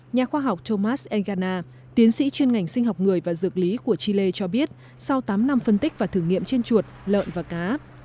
nhà khoa học thomas elgana tiến sĩ chuyên ngành sinh học người và dược lý của chile cho biết sau tám năm phân tích và thử nghiệm trên chuột lợn và cá